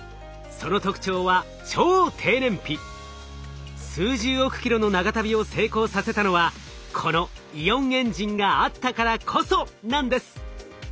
その特徴は数十億キロの長旅を成功させたのはこのイオンエンジンがあったからこそなんです。